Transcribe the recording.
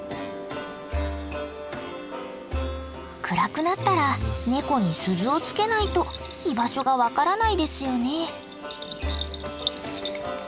暗くなったらネコに鈴をつけないと居場所が分からないですよね。